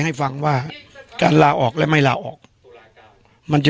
ในไม่รู้ภาคแบบราทธุรกิจ